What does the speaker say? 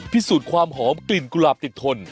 พิสูจน์ความหอมกลิ่นกุหลาบติดทน